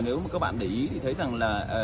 nếu các bạn để ý thì thấy rằng là